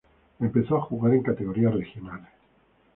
Empezó a jugar en categorías regionales.